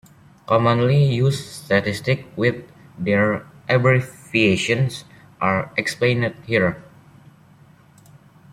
Commonly used statistics with their abbreviations are explained here.